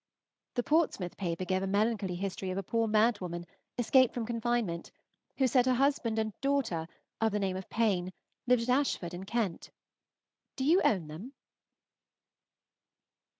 The Portsmouth paper gave a melancholy history of a poor mad woman, escaped from confinement, who said her husband and daughter, of the name of Payne, lived at Ashford, in Kent. Do you own them?